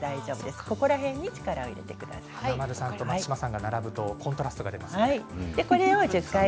華丸さんと松島さんが並ぶとコントラストがいいですね。